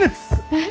えっ？